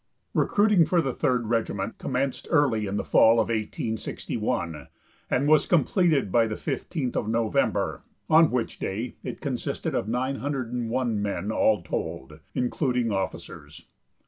Recruiting for the Third Regiment commenced early in the fall of 1861, and was completed by the 15th of November, on which day it consisted of 901 men all told, including officers.